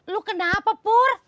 lo kenapa pur